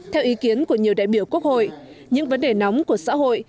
theo ý kiến của nhiều đại biểu quốc hội những vấn đề nóng của xã hội